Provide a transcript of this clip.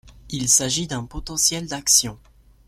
Il s'agit d'un potentiel d'action.